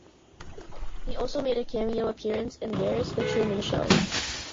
He also made a cameo appearance in Weir's "The Truman Show".